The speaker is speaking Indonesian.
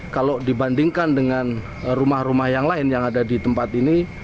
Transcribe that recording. kalau dibandingkan dengan rumah rumah yang lain yang ada di tempat ini